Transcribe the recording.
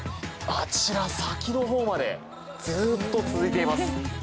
あちら、先のほうまでずっと続いています。